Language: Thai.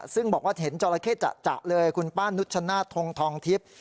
ซึ่งบอกว่าเห็นจราเข้จะเลยคุณป้านุชชนาธงทองทิพย์